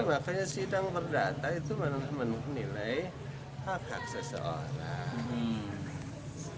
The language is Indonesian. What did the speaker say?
makanya sidang perdata itu menilai hak hak seseorang